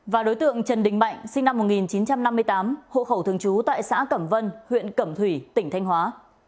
và đối tượng trần đình mạnh sinh năm một nghìn chín trăm năm mươi tám hộ khẩu thường trú tại xã cẩm vân huyện cẩm thủy tỉnh thanh hóa